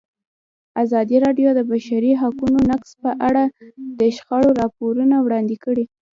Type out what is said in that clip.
ازادي راډیو د د بشري حقونو نقض په اړه د شخړو راپورونه وړاندې کړي.